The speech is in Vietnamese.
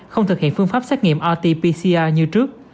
không thực hiện phương pháp xét nghiệm rt pcr như trước